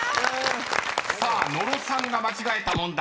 ［さあ野呂さんが間違えた問題］